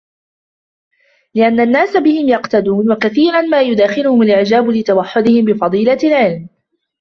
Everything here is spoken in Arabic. لِأَنَّ النَّاسَ بِهِمْ يَقْتَدُونَ وَكَثِيرًا مَا يُدَاخِلُهُمْ الْإِعْجَابُ لِتَوَحُّدِهِمْ بِفَضِيلَةِ الْعِلْمِ